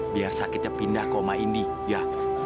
biar sakitnya pindah ke oma indi ya